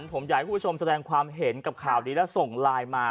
ผมอยากให้คุณผู้ชมแสดงความเห็นกับข่าวนี้แล้วส่งไลน์มา